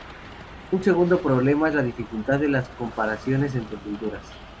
Un segundo problema es la dificultad de las comparaciones entre culturas.